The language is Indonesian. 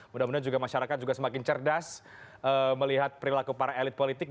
mudah mudahan juga masyarakat juga semakin cerdas melihat perilaku para elit politik